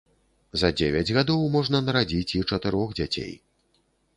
За дзевяць гадоў можна нарадзіць і чатырох дзяцей.